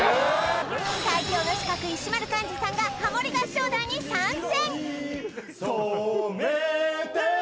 最強の刺客石丸幹二さんがハモリ合唱団に参戦！